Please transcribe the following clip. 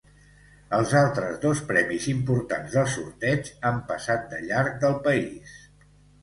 Els altres dos premis importants del sorteig han passat de llarg del país.